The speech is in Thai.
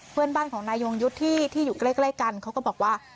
เพื่อนบ้านของนายยงยุทธ์ที่อยู่ใกล้กันเขาก็บอกว่า